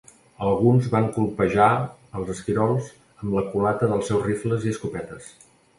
Alguns van colpejar els esquirols amb la culata dels seus rifles i escopetes.